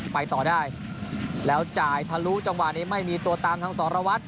ไปต่อได้แล้วจ่ายทะลุจังหวะนี้ไม่มีตัวตามทางสรวัตร